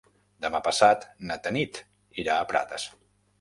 Demà passat na Tanit irà a Prades.